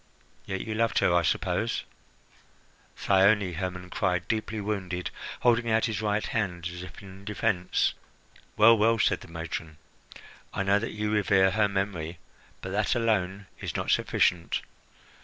Yet you loved her, I suppose?" "Thyone!" Hermon cried, deeply wounded, holding out his right hand as if in defence. "Well, well!" said the matron. "I know that you revere her memory. But that alone is not sufficient.